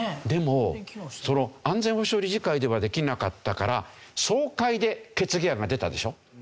でもその安全保障理事会ではできなかったから総会で決議案が出たでしょ。